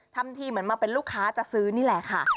ทำทีเหมือนมาเป็นลูกค้าจะซื้อนี่แหละค่ะ